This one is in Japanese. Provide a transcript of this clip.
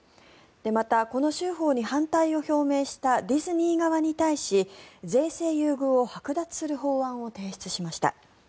また、この州法に反対を表明したディズニー側に対し税制優遇をはく奪する法案を提出しました。